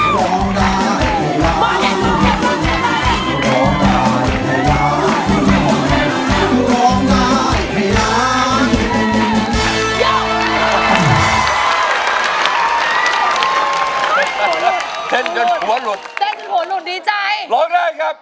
ร้องได้ครับ